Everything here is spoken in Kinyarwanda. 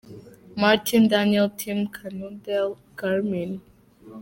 Martin Daniel - Team Cannondale – Garmin -.